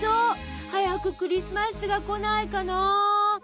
早くクリスマスが来ないかな！